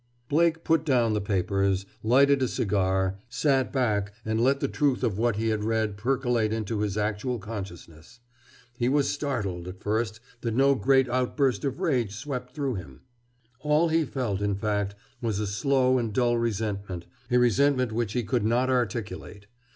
Blake put down the papers, lighted a cigar, sat back, and let the truth of what he had read percolate into his actual consciousness. He was startled, at first, that no great outburst of rage swept through him. All he felt, in fact, was a slow and dull resentment, a resentment which he could not articulate.